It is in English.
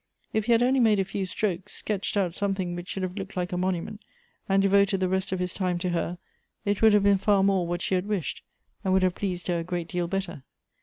If he had only made a few strokes, sketched out something ■which should have looked like a monument, and devoted the rest of his time to her, it would have been far more what she had wished, and would have pleased her a great deal better.